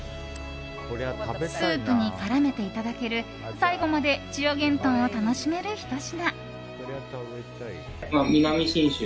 スープに絡めていただける最後まで千代幻豚を楽しめるひと品。